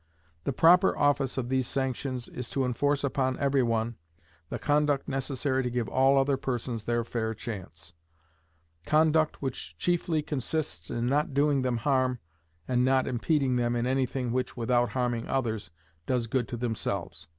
The proper office of those sanctions is to enforce upon every one, the conduct necessary to give all other persons their fair chance: conduct which chiefly consists in not doing them harm, and not impeding them in anything which without harming others does good to themselves.